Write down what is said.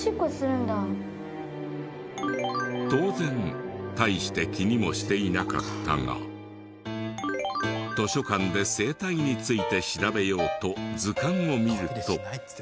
当然大して気にもしていなかったが図書館で生体について調べようと図鑑を見ると。